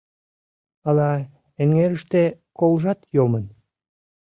Ала эҥерыште колжат йомын?